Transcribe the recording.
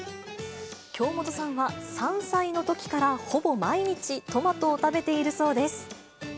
京本さんは３歳のときから、ほぼ毎日、トマトを食べているそうです。